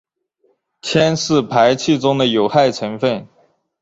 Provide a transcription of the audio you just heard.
铅是排气中的有害成分。